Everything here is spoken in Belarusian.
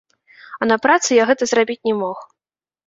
А на працы я гэта зрабіць не мог.